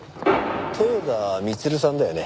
豊田充さんだよね。